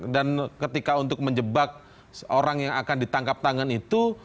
dan ketika untuk menjebak orang yang akan ditangkap tangan itu